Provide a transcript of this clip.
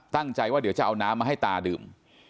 ตั้งใจว่าเดี๋ยวจะเอาน้ำมาให้ตาดื่ม